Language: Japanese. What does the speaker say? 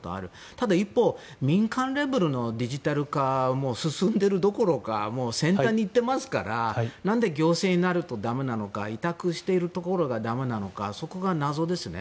ただ一方民間レベルのデジタル化は進んでいるどころか先端に行っていますから何で行政になるとだめなのか委託しているところがだめなのかそこが謎ですね。